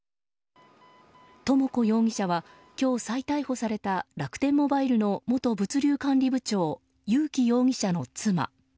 智子容疑者は今日、再逮捕された楽天モバイルの元物流管理部長友紀容疑者の妻。